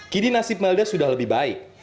kini nasib melda sudah lebih baik